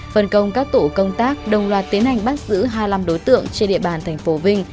phần công các tổ công tác đồng loạt tiến hành bắt giữ hai mươi năm đối tượng trên địa bàn thành phố vinh